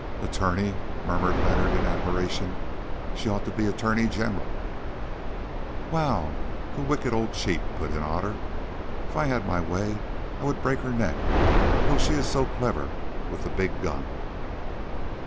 "Attorney!" murmured Leonard in admiration; "she ought to be Attorney General." "Wow! The wicked old cheat!" put in Otter. "If I had my way I would break her neck, though she is so clever with the big gun."